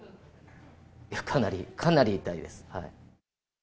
かなり、かなり痛いです。